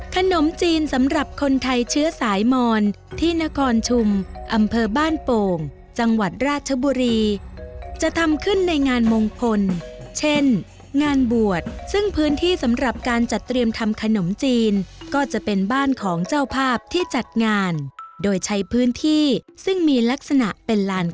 ขนมจีนสำหรับคนไทยเชื้อสายมอนที่นครชุมอำเภอบ้านโป่งจังหวัดราชบุรีจะทำขึ้นในงานมงคลเช่นงานบวชซึ่งพื้นที่สำหรับการจัดเตรียมทำขนมจีนก็จะเป็นบ้านของเจ้าภาพที่จัดงานโดยใช้พื้นที่ซึ่งมีลักษณะเป็นลาน